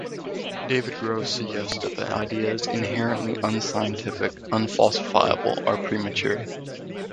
David Gross suggests that the idea is inherently unscientific, unfalsifiable or premature.